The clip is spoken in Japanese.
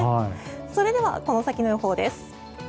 それではこの先の予報です。